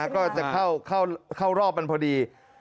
ก็จะเข้ารอบมันพอดี